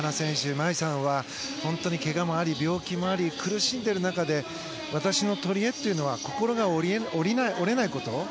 舞依さんは本当に、けがもあり病気もあり苦しんでいる中で私のとりえというのは心が折れないこと。